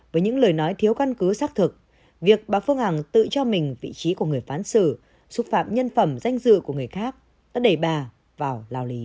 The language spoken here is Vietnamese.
với những lời nói thiếu căn cứ xác thực việc bà phương hằng tự cho mình vị trí của người phán sử xúc phạm nhân phẩm danh dự của người khác đã đẩy bà vào lao lý